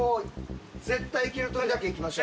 絶対いける時だけいきましょう。